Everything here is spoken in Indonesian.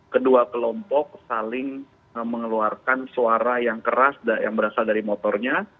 kedua kelompok saling mengeluarkan suara yang keras yang berasal dari motornya